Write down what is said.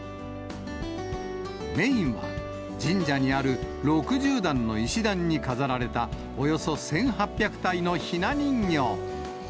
メインは神社にある６０段の石段に飾られた、およそ１８００体のひな人形。